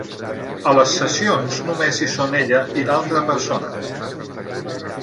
A les sessions només hi són ella i l'altra persona.